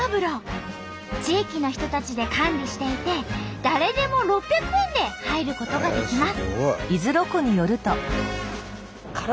地域の人たちで管理していて誰でも６００円で入ることができます。